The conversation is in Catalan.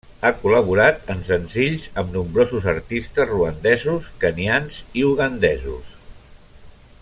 Ha col·laborat en senzills amb nombrosos artistes ruandesos, kenyans i ugandesos.